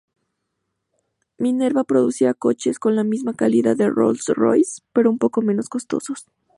Minerva producía coches con la misma calidad que Rolls-Royce, pero un poco menos costosos.